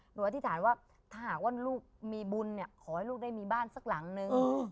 อธิษฐานว่าถ้าหากว่าลูกมีบุญเนี่ยขอให้ลูกได้มีบ้านสักหลังนึง